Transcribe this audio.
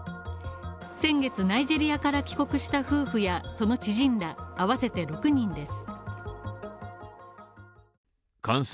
先月ナイジェリアから帰国した夫婦やその知人ら、あわせて６人です。